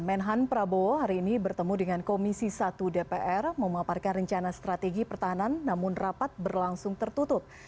menhan prabowo hari ini bertemu dengan komisi satu dpr memaparkan rencana strategi pertahanan namun rapat berlangsung tertutup